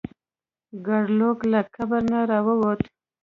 ګارلوک له قبر نه راووت.